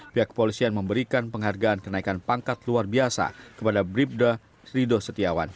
pihak polisi yang memberikan penghargaan kenaikan pangkat luar biasa kepada bribtu rido setiawan